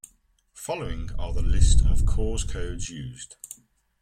Following are the list of cause codes used.